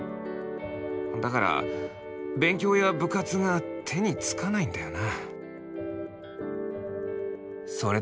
だから勉強や部活が手につかないんだよな」。